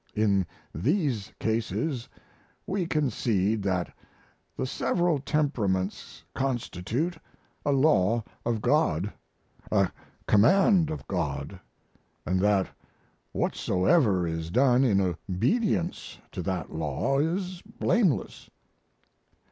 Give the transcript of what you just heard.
In these cases we concede that the several temperaments constitute a law of God, a command of God, and that whatsoever is done in obedience to that law is blameless.